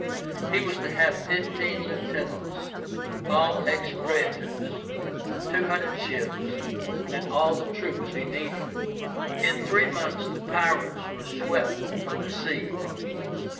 He was to have fifteen lieutenants, all ex praetors, two hundred ships, and all the troops he needed. In three months the pirates were swept from the sea.